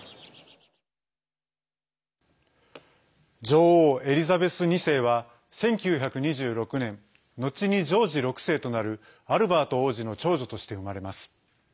女王エリザベス２世は１９２６年後にジョージ６世となるアルバート王子の長女として生まれます。